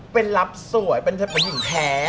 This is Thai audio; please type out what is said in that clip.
เป็นรับสวยเป็นหญิงแท้